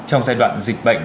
trong giai đoạn dịch bệnh